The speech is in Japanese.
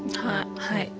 はい。